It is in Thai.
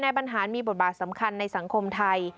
บรรหารมีบทบาทสำคัญในสังคมไทย